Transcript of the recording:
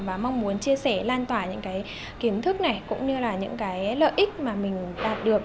và mong muốn chia sẻ lan tỏa những cái kiến thức này cũng như là những cái lợi ích mà mình đạt được